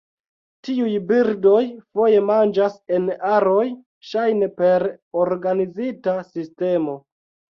Tiuj birdoj foje manĝas en aroj, ŝajne per organizita sistemo.